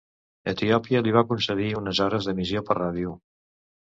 Etiòpia li va concedir unes hores d'emissió per ràdio.